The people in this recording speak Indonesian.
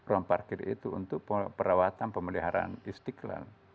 ruang parkir itu untuk perawatan pemeliharaan istiqlal